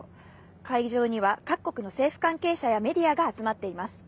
会議場には各国の政府関係者やメディアが集まっています。